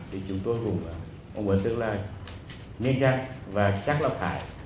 thì chúng tôi cũng muốn tức là nguyên chắc và chắc là phải